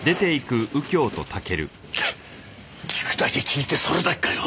聞くだけ聞いてそれだけかよ。